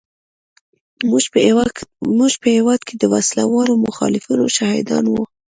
موږ په هېواد کې د وسله والو مخالفینو شاهدان وو.